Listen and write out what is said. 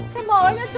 xe mới nhá chú